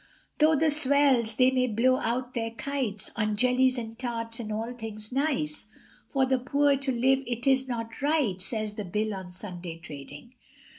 Tho' the swells they may blow out their kites, On jellies and tarts, and all things nice, For the poor to live it is not right, Says the Bill on Sunday trading.